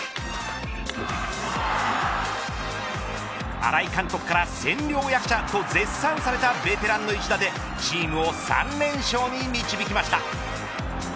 新井監督から千両役者と絶賛されたベテランの一打でチームを３連勝に導きました。